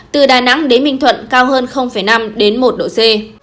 từ đà nẵng đến ninh thuận cao hơn năm một độ c